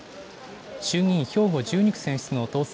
衆議院兵庫１２区選出の当選